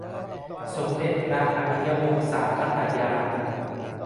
สมเด็จพระอริยวงศาคตญาณ